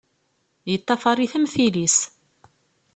Yeṭṭafaṛ-it am tili-s!